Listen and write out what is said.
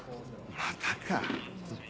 またか。